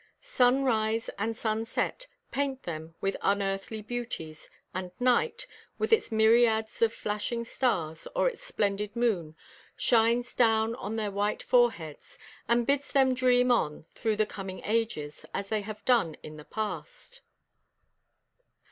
Sunrise and sunset paint them with unearthly beauties; and night, with its myriads of flashing stars or its splendid moon, shines down on their white foreheads, and bids them dream on through the coming ages, as they have done in the past.